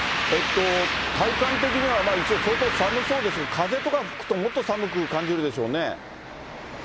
体感的には、一応、外寒そうですが、風とか吹くともっと寒く感じるでしょうね。